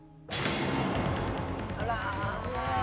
あら！